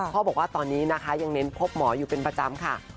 บอกว่าตอนนี้นะคะยังเน้นพบหมออยู่เป็นประจำค่ะ